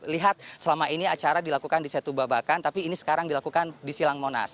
lihat selama ini acara dilakukan di setubabakan tapi ini sekarang dilakukan di silang monas